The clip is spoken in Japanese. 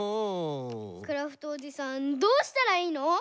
クラフトおじさんどうしたらいいの？